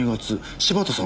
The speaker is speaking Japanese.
柴田さん